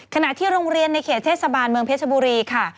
ขณะที่โรงเรียนในเขตเทศบาลเมืองเพชรบุรีค่ะ